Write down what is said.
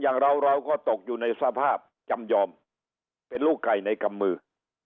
อย่างเราเราก็ตกอยู่ในสภาพจำยอมเป็นลูกไก่ในกำมือ